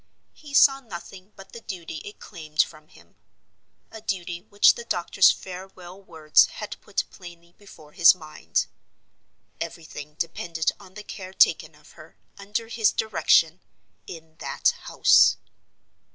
He saw nothing but the duty it claimed from him—a duty which the doctor's farewell words had put plainly before his mind. Everything depended on the care taken of her, under his direction, in that house.